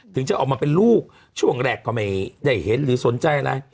ถึงจะออกมาเป็นลูกช่วงแรกก็ไม่ได้เห็นหรือสนใจอะไร